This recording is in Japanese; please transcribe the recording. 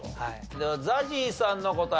ではＺＡＺＹさんの答え。